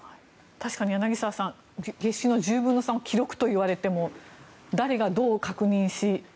確かに、柳澤さん月収の１０分の３を記録といわれても誰がどう確認し。